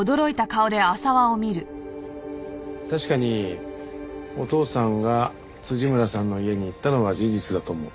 確かにお父さんが村さんの家に行ったのは事実だと思う。